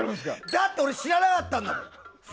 だって俺知らなかったんだもん。